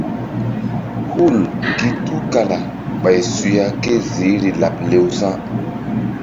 Hul gi tukala ɓay suya ké ziihri laɓ lewsa̧.